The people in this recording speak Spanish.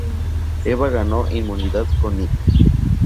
Eva ganó inmunidad con Nick.